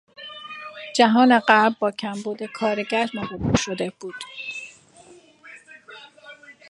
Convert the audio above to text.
جهان غرب با کمبود کارگر مواجه شده بود.